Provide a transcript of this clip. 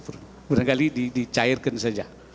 mudah mudahan di cairkan saja